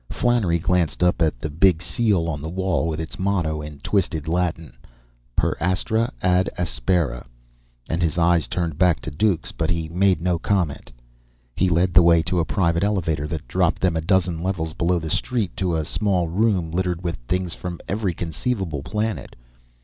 Flannery glanced up at the big seal on the wall with its motto in twisted Latin Per Astra ad Aspera and his eyes turned back to Duke's, but he made no comment. He led the way to a private elevator that dropped them a dozen levels below the street, to a small room, littered with things from every conceivable planet.